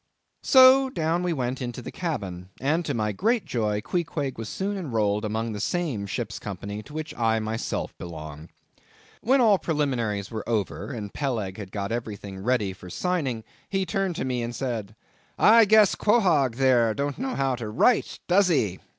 So down we went into the cabin, and to my great joy Queequeg was soon enrolled among the same ship's company to which I myself belonged. When all preliminaries were over and Peleg had got everything ready for signing, he turned to me and said, "I guess, Quohog there don't know how to write, does he?